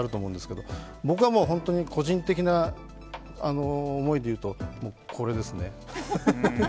僕は本当に個人的な思いでいうと、これですね。